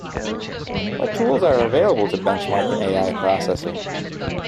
What tools are available to benchmark an A-I processor?